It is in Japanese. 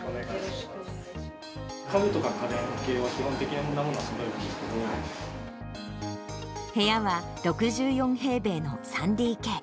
家具とか家電系は、基本的な部屋は６４平米の３ＤＫ。